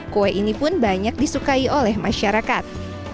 kue ini pun banyak disukai oleh masyarakat